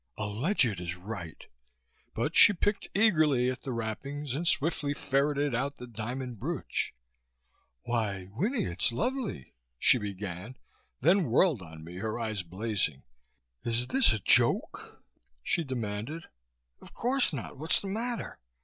"Alleged is right!" But she picked eagerly at the wrappings and swiftly ferreted out the diamond brooch. "Why, Winnie, it's lovely " she began, then whirled on me, her eyes blazing. "Is this a joke?" she demanded. "Of course not! What's the matter?"